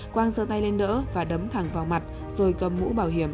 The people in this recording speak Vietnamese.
quang dơ tay lên đỡ và đấm thẳng vào mặt rồi cầm mũ bảo hiểm